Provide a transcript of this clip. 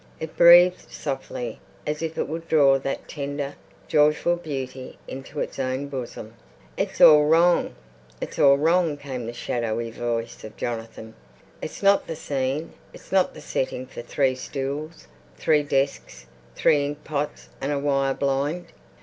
It breathed softly as if it would draw that tender, joyful beauty into its own bosom. "It's all wrong, it's all wrong," came the shadowy voice of Jonathan. "It's not the scene, it's not the setting for... three stools, three desks, three inkpots and a wire blind."